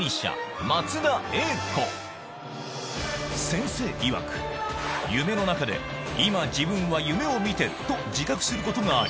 先生いわく夢の中で「今自分は夢を見てる」と自覚することがあり